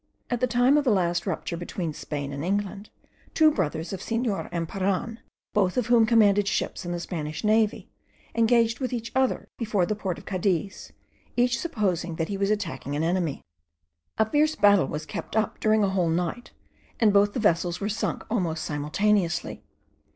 At the time of the last rupture between Spain and England, two brothers of Senor Emperan, both of whom commanded ships in the Spanish navy, engaged with each other before the port of Cadiz, each supposing that he was attacking an enemy. A fierce battle was kept up during a whole night, and both the vessels were sunk almost simultaneously.